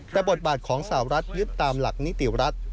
แต่บทบาทของสาวรัฐยึดตามหลักนิติรัฐ